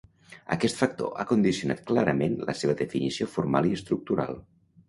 Aquest factor ha condicionat clarament la seva definició formal i estructural.